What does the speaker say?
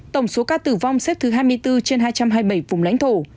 tổng số ca tử vong xếp thứ hai mươi bốn trên hai trăm hai mươi bảy vùng lãnh thổ